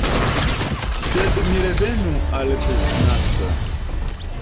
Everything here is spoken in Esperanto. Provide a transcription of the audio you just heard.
Sed mi revenu al la Kristnasko.